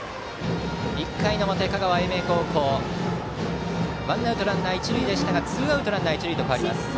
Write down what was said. １回の表、香川・英明高校ワンアウトランナー、一塁でしたがツーアウトランナー、一塁と変わります。